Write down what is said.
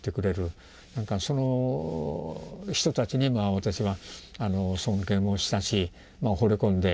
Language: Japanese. なんかその人たちに私は尊敬もしたしほれ込んで。